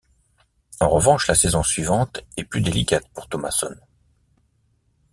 En revanche, la saison suivante est plus délicate pour Thomasson.